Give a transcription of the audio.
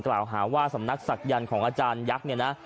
กล่าวหาว่าสำนักศักยันต์ของอาจารยักษ์เนี่ยนะ